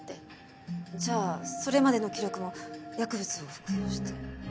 じゃあそれまでの記録も薬物を服用して？